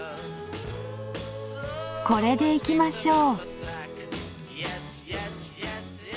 これでいきましょう。